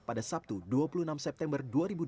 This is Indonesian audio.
pada sabtu dua puluh enam september dua ribu dua puluh